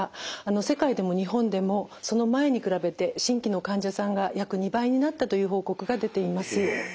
世界でも日本でもその前に比べて新規の患者さんが約２倍になったという報告が出ています。